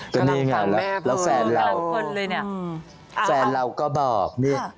ก็นี่ไงแล้วแฟนเราก็บอก